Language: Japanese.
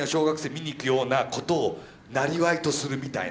見に行くようなことを生業とするみたいな。